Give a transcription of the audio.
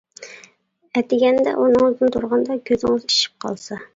ئەتىگەندە ئورنىڭىزدىن تۇرغاندا كۆزىڭىز ئىششىپ قالسا.